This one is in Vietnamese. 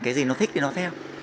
cái gì nó thích thì nó theo